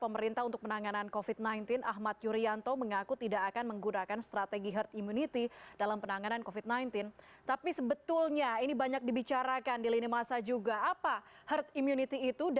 menyamaratakan definisi dari herd immunity